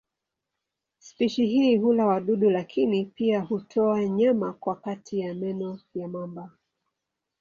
Spishi hii hula wadudu lakini pia hutoa nyama kwa kati ya meno ya mamba.